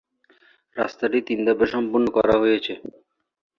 রাস্তাটি তিন ধাপে সম্পন্ন করা হয়েছে।